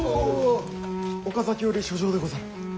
岡崎より書状でござる。